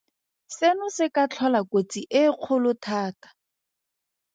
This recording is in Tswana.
Seno se ka tlhola kotsi e kgolo thata.